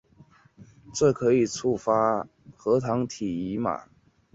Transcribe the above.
这可以触发核糖体移码。